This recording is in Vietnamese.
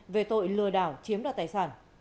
về tội lừa đảo chiếm đoạt tài sản